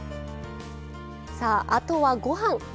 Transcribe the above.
さああとはごはん。